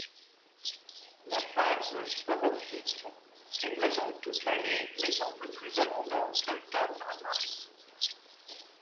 La phase sporophyte est présente toute l’année mais semble plus abondante d’octobre à mars.